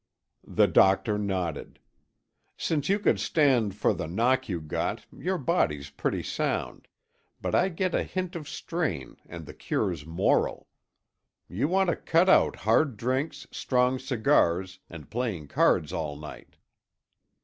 The doctor nodded. "Since you could stand for the knock you got, your body's pretty sound, but I get a hint of strain and the cure's moral. You want to cut out hard drinks, strong cigars, and playing cards all night."